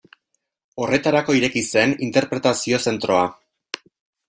Horretarako ireki zen interpretazio zentroa.